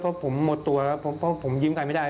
เพราะผมหมดตัวแล้วผมยิ้มกันไม่ได้